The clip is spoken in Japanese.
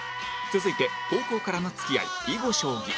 続いて高校からの付き合い囲碁将棋